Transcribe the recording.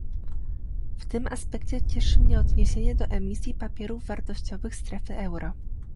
W tym aspekcie cieszy mnie odniesienie do emisji papierów wartościowych strefy euro